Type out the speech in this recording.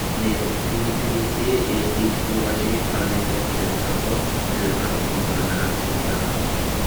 Mais, ridiculisé et découragé par le comte de Strafford, il abandonna son plan.